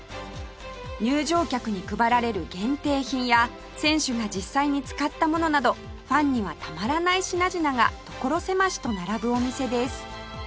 入場客に配られる限定品や選手が実際に使ったものなどファンにはたまらない品々が所狭しと並ぶお店です